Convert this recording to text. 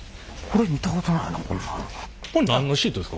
これ見たことないなこんなん。